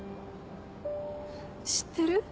知ってる？